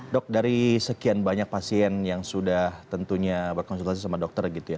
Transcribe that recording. dok dari sekian banyak pasien yang sudah tentunya berkonsultasi sama dokter gitu ya